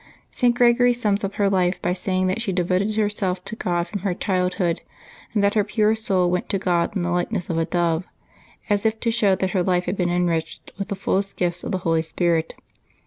St. Gregory sums up her life by saying that she devoted herself to God from her childhood, and that her pure soul went to God in the likeness of a dove, as if to show that her life had been enriched with the fullest gifts of the Holy Spirit.